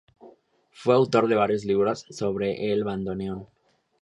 Fue autor de varios libros sobre el bandoneón.